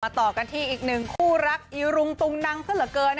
มาต่อกันที่อีกหนึ่งคู่รักอิรุงตุงนังเซลเกอร์